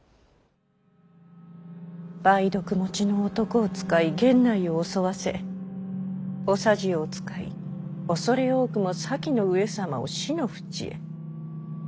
梅毒もちの男を使い源内を襲わせお匙を使い恐れ多くも先の上様を死のふちへ。